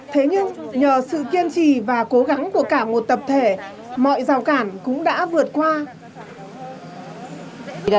thế nhưng nhờ sự kiên trì và cố gắng của cả một tập thể mọi rào cản cũng đã vượt qua